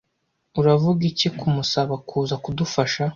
Uravuga iki kumusaba kuza kudufasha?